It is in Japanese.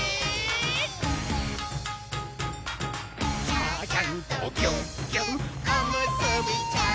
「ちゃちゃんとぎゅっぎゅっおむすびちゃん」